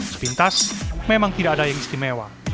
sepintas memang tidak ada yang istimewa